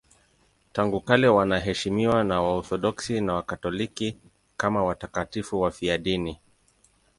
Tangu kale wanaheshimiwa na Waorthodoksi na Wakatoliki kama watakatifu wafiadini.